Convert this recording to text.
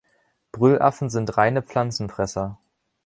Brüllaffen sind reine Pflanzenfresser.